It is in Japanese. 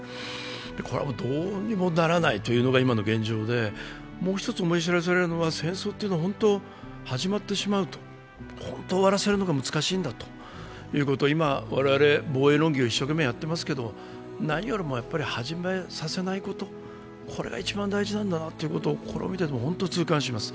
これはどうにもならないというのが今の現状でもう一つ思い知らされるのは戦争というのは始まってしまうと、終わらせるのが難しいんだということ、我々は今防衛論議を一生懸命やってますけど、何より始めさせないこと、これが一番大事なんだなということをこれを見ていても痛感します。